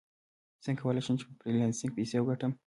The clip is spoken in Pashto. څنګه کولی شم په فریلانسینګ پیسې وګټم